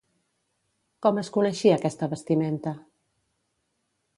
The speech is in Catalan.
Com es coneixia aquesta vestimenta?